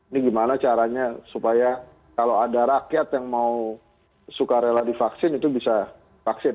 ini gimana caranya supaya kalau ada rakyat yang mau sukarela divaksin itu bisa divaksin